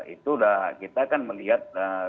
itu udah kita kan melihat